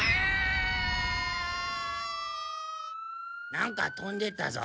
なんかとんでったぞ。